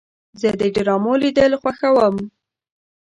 زه د ډرامو لیدل خوښوم.